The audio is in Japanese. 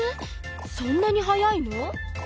そんなに早いの？